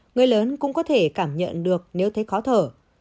người lớn cũng có thể cảm nhận được nếu thấy khó thở